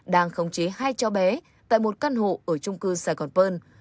đang khống chế hai cháu bé tại một căn hộ ở trung cư sài gòn pơn